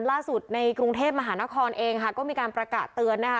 ในกรุงเทพมหานครเองค่ะก็มีการประกาศเตือนนะคะ